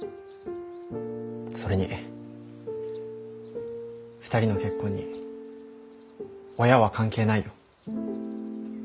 それに２人の結婚に親は関係ないよ。